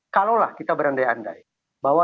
kalaulah kita berandai andai bahwa